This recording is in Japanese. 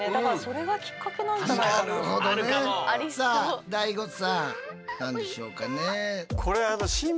さあＤＡＩＧＯさん何でしょうかね。